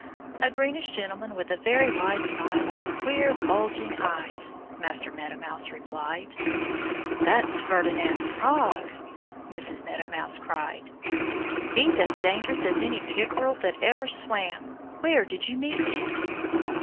"A greenish gentleman with a very wide smile and queer, bulging eyes," Master Meadow Mouse replied. "That's Ferdinand Frog!" Mrs. Meadow Mouse cried. "He's as dangerous as any Pickerel that ever swam. Where did you meet him?"